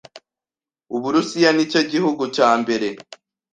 Uburusiya ni cyo gihugu cya mbere